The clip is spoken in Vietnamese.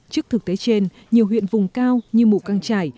trước thực tế trên nhiều huyện vùng cao như mù căng trải